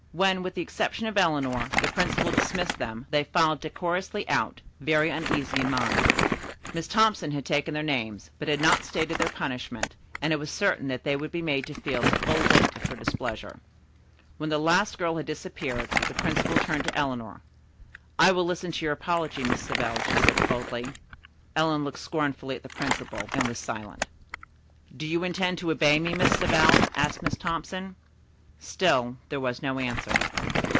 When, with the exception of Eleanor, the principal dismissed them, they filed decorously out, very uneasy in mind. Miss Thompson had taken their names, but had not stated their punishment and it was certain that they would be made to feel the full weight of her displeasure. When the last girl had disappeared the principal turned to Eleanor. "I will listen to your apology, Miss Savell," she said coldly. Eleanor looked scornfully at the principal, and was silent. "Do you intend to obey me, Miss Savell?" asked Miss Thompson. Still there was no answer.